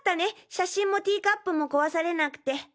写真もティーカップも壊されなくて！